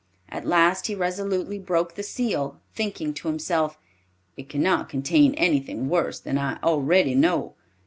At last he resolutely broke the seal, thinking to himself, "It cannot contain anything worse than I already know."